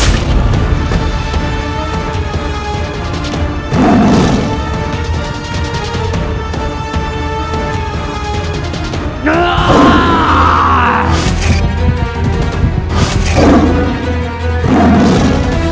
ini sangat berbahaya